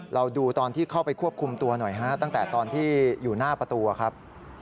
เราดูตอนที่เข้าไปควบคุมตัวหน่อยฮะตั้งแต่ตอนที่อยู่หน้าประตูครับ